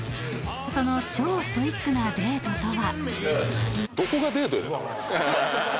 ［その超ストイックなデートとは？］